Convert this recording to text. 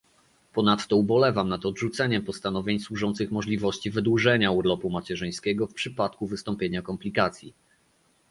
Ponadto ubolewam nad odrzuceniem postanowień służących możliwości wydłużenia urlopu macierzyńskiego w przypadku wystąpienia komplikacji